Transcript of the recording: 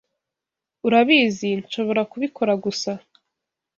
Urabizi, nshobora kubikora gusa.